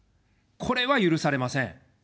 これは許されません。